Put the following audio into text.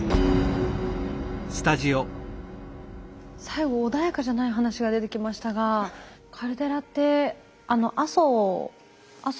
最後穏やかじゃない話が出てきましたがカルデラって阿蘇。